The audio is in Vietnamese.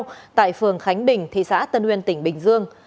ở tỉnh bình thị xã tân uyên tỉnh bình dương